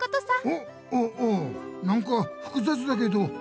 おっおおうなんかふくざつだけどありがとう。